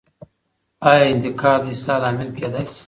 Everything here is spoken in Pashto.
آیا انتقاد د اصلاح لامل کیدای سي؟